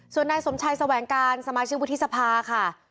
ส่วนนายสมชายสวัญการณ์สมาชิกวิธีสภาค่ะ